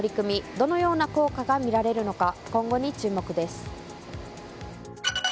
どのような効果が見られるのか今後に注目です。